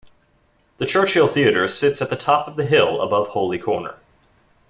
The Church Hill Theatre sits at the top of the hill above Holy Corner.